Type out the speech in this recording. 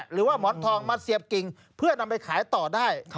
หรือว่าหมอนทองมาเสียบกิ่งเพื่อนำไปขายต่อได้